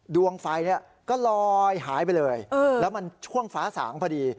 ดวงไฟเนี่ยก็ลอยหายไปเลยแล้วมันช่วงฟ้าสางพอดี